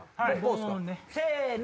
せの！